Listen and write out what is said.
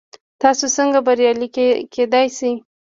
تاسو څنګه بریالي کیدی شئ؟